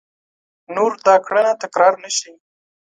نور دا کړنه تکرار نه شي !